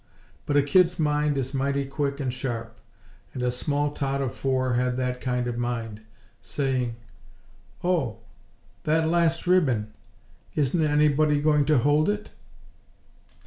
But a kid's mind is mighty quick and sharp; and a small tot of four had that kind of mind, saying: "Oh! That last ribbon! Isn't anybody going to hold it?"